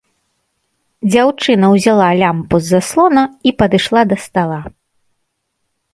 Дзяўчына ўзяла лямпу з заслона і падышла да стала.